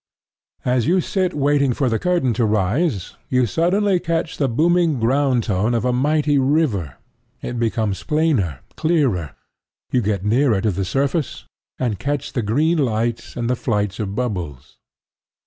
As you sit waiting for the curtain to rise, you suddenly catch the booming ground tone of a mighty river. It becomes plainer, clearer: you get nearer to the surface, and catch the green light and the flights of bubbles.